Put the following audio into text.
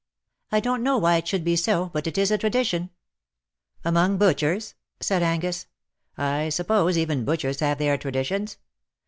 "I don''t know why it should be so, but it is a tradition." ^^ Among butchers T' said Angus. " I suppose even butchers have their traditions.